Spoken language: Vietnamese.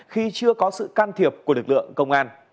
khi chưa có sự can thiệp của lực lượng công an